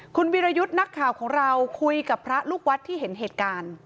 คุณวิรยุทธ์นักข่าวของเราคุยกับพระลูกวัดที่เห็นเหตุการณ์